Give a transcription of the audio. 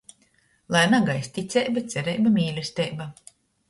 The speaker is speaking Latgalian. Lai nagaist ticeiba, cereiba, mīlesteiba!